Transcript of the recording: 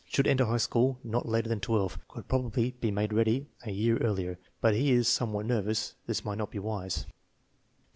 Should enter high school not later than 12; could probably be made ready a year earlier, but as he is somewhat nervous this might not be wise.